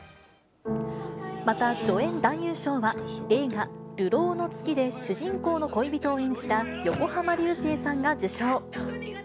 また、助演男優賞は、映画、流浪の月で主人公の恋人を演じた、横浜流星さんが受賞。